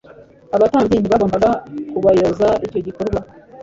abatambyi ntibagombaga kubaryoza icyo gikorwa?